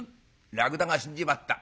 「『らくだが死んじまった。